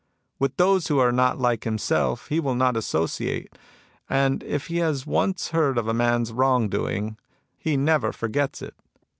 With those who are not like himself he will not associate. And if he has once heard of a man's wrong doing, he never forgets it.